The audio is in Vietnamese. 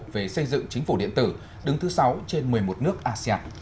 về xây dựng chính phủ điện tử đứng thứ sáu trên một mươi một nước asean